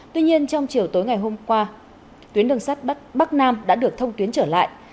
tuy nhiên trong chiều tối ngày hôm qua tuyến đường sát bắc nam đã được thông tuyến trở lại